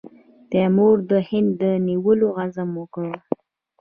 تیمور د هند د نیولو عزم وکړ.